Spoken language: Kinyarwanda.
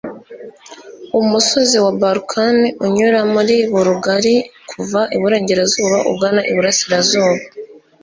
umusozi wa balkan unyura muri bulugariya kuva iburengerazuba ugana iburasirazuba